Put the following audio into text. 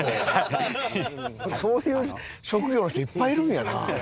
そういう職業の人いっぱいいるんやな。